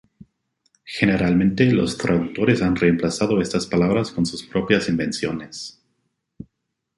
Generalmente, los traductores han reemplazado estas palabras con sus propias invenciones.